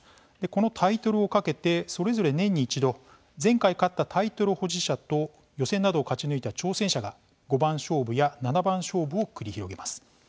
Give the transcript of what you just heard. このタイトルを懸けてそれぞれ年に一度前回勝ったタイトル保持者と予選などを勝ち抜いた挑戦者が五番勝負や七番勝負を繰り広げます。